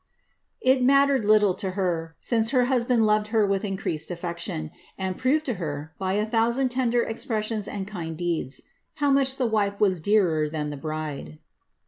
* It mattered little to her, since her husband loved her with increased affec tion, and proved to her, by a thousand tender expressions and kind dew!?, " how much the wife was dearer than the bride."